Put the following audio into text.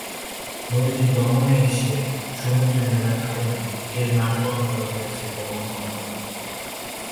নদীটি দমনে এসে সমুদ্রে মেলার কারণে এর নামকরণ করা হয়েছে দমন গঙ্গা।